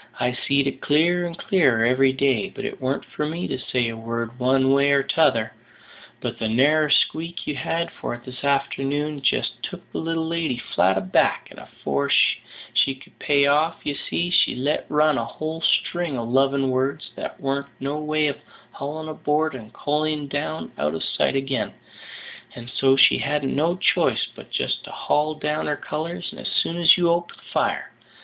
I've seed it clearer and clearer every day, but it warn't for me to say a word one way or t'other; but the narrer squeak you had for it this a'ternoon just took the little lady flat aback, and afore she could pay off, you see, she let run a whole string of lovin' words that there warn't no way of hauling aboard and coiling down out of sight ag'in; and so she hadn't no ch'ice but just to haul down her colours as soon as you opened fire.